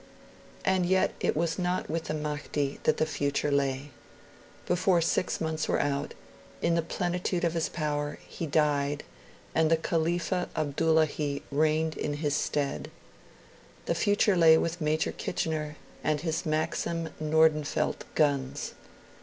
And yet it was not with the Mahdi that the future lay. Before six months were out, in the plenitude of his power, he died, and the Khalifa Abdullahi reigned in his stead. The future lay with Major Kitchener and his Maxim Nordenfeldt guns.